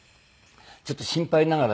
ちょっと心配ながら